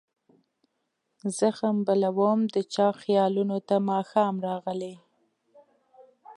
زخم بلوم د چا خیالونو ته ماښام راغلي